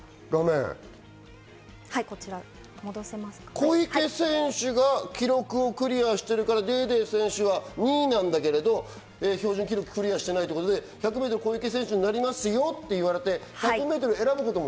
小池選手が記録をクリアしてるからデーデー選手が２位なんだけれども、標準記録をクリアしていないということで１００ｍは小池選手になりますよということで選ぶことも